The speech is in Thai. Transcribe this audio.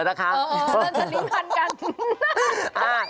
เออเริ่มจะหลีกันกัน